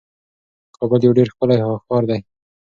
کابل یو ډیر ښکلی ښار دی.